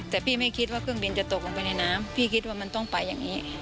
แต่พี่ไม่คิดว่าเครื่องบินจะตกลงไปในน้ำพี่คิดว่ามันต้องไปอย่างนี้